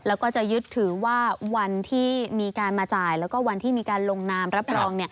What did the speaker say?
แล้วก็จะยึดถือว่าวันที่มีการมาจ่ายแล้วก็วันที่มีการลงนามรับรอง